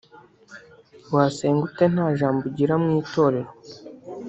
wasenga ute nta jambo ugira mu Itorero